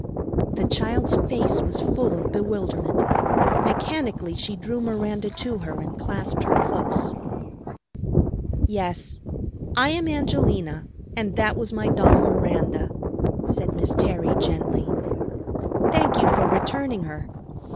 the child's face was full of bewilderment. Mechanically she drew Miranda to her and clasped her close. "Yes, I am Angelina, and that was my doll Miranda," said Miss Terry gently. "Thank you for returning her.